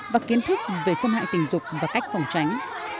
và kiến thức về xâm hại tình dục và cách phòng tránh